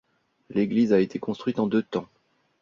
L'église a été construite en deux temps.